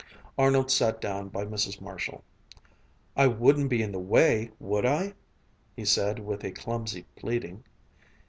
Arnold sat down by Mrs. Marshall. "I wouldn't be in the way, would I?" he said, with a clumsy pleading.